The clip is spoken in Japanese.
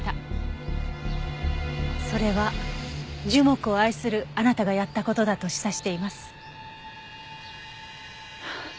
それは樹木を愛するあなたがやった事だと示唆しています。